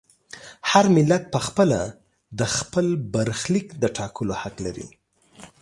هر ملت په خپله د خپل برخلیک د ټاکلو حق لري.